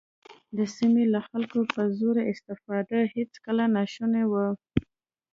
د سیمې له خلکو په زور استفاده هېڅکله ناشونې وه.